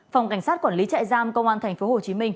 phòng cảnh sát quản lý trại giam công an tp hcm